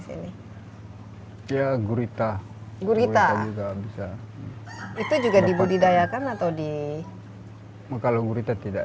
sini dia gurita gurita juga bisa itu juga dibudidayakan atau di kalau gurita tidak